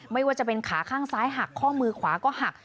ไม่ว่าจะเป็นขาข้างซ้ายหักข้อมือขวาก็หัก